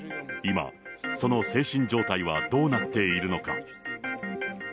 今、その精神状態はどうなっているのか。